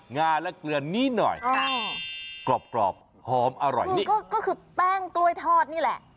งาและเกลือนิดหน่อยกรอบหอมอร่อยนี่ก็คือแป้งกล้วยทอดนี่แหละ